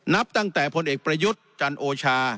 นับตั้งแต่พลเอกประยุทธ์จันโอชา